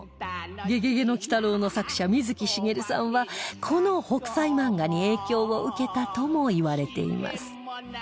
『ゲゲゲの鬼太郎』の作者水木しげるさんはこの『北斎漫画』に影響を受けたともいわれています